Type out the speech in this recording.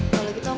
kalau gitu om